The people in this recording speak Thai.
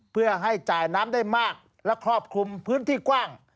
เพื่อให้จ่ายน้ำได้มากและครอบคลุมพื้นที่กว้าง